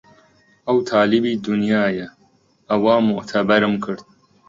ئەو تالیبی دونیایە ئەوا موعتەبەرم کرد